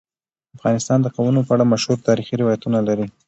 افغانستان د قومونه په اړه مشهور تاریخی روایتونه لري.